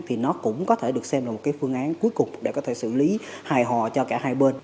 thì nó cũng có thể được xem là một cái phương án cuối cùng để có thể xử lý hài hòa cho cả hai bên